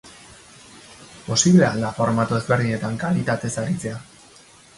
Posible al da formato ezberdinetan kalitatez aritzea?